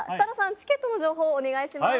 チケットの情報をお願いします